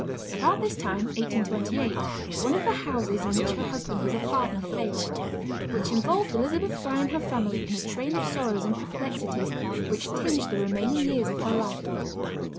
About this time, 1828, one of the houses in which her husband was a partner failed, "which involved Elizabeth Fry and her family in a train of sorrows and perplexities which tinged the remaining years of her life."